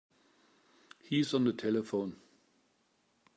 He's on the telephone.